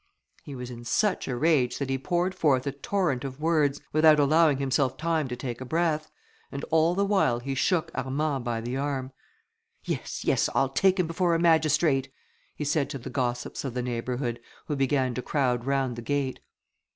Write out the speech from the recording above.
He was in such a rage, that he poured forth a torrent of words, without allowing himself time to take breath, and all the while he shook Armand by the arm. "Yes, yes, I'll take him before a magistrate," he said to the gossips of the neighbourhood, who began to crowd round the gate.